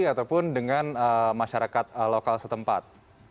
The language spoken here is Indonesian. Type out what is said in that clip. ataupun dengan masyarakat lokal setempat